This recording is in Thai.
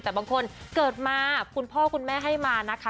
แต่บางคนเกิดมาคุณพ่อคุณแม่ให้มานะคะ